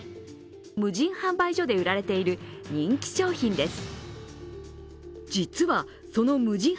無人販売所で売られている人気商品です。